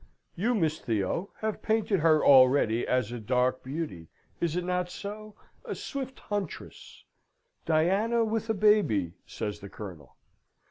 "You, Miss Theo, have painted her already as a dark beauty is it not so? A swift huntress " "Diana with a baby," says the Colonel.